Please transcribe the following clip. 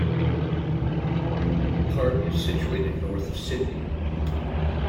The park is situated north of Sydney.